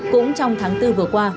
cũng trong tháng bốn vừa qua